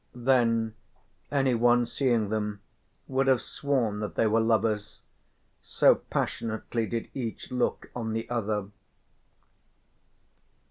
Then anyone seeing them would have sworn that they were lovers, so passionately did each look on the other.